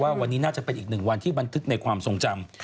ว่าวันนี้น่าจะเป็นอีกหนึ่งวันที่บันทึกในความทรงจำ